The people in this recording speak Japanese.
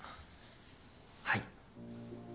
はい。